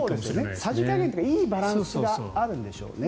さじ加減というかいいバランスがあるんでしょうね。